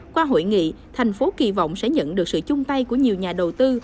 qua hội nghị thành phố kỳ vọng sẽ nhận được sự chung tay của nhiều nhà đầu tư